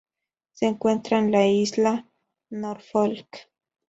Se encuentra en la Isla Norfolk